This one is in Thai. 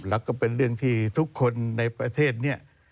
แล้วก็เป็นเรื่องที่ทุกคนในประเทศนี้